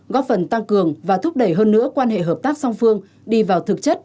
góp phần tăng cường và thúc đẩy hơn nữa quan hệ hợp tác song phương đi vào thực chất